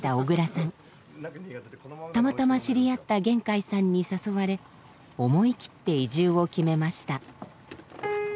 たまたま知り合った源開さんに誘われ思い切って移住を決めました。